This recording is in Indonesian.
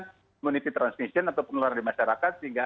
community transmission atau penularan di masyarakat